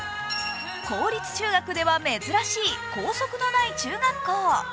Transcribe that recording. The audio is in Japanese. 公立中学では珍しい校則のない中学校。